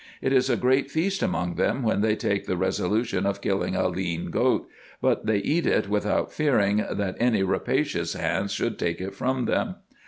It is a great feast among them when they take the resolution of killing a lean goat, but they eat it without fearing, that any rapacious hands should take it from them.